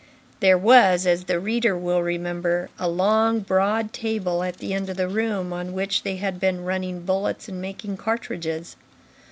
There was, as the reader will remember, a long, broad table at the end of the room, on which they had been running bullets and making cartridges.